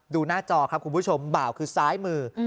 หน้าจอครับคุณผู้ชมบ่าวคือซ้ายมือ